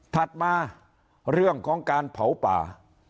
ถัดมาเรื่องของการเผาป่า